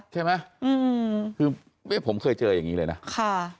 ใช่ไหมคือผมเคยเจออย่างนี้เลยนะ